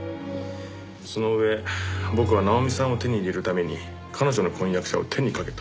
その上僕は奈穂美さんを手に入れるために彼女の婚約者を手にかけた。